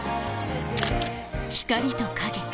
光と影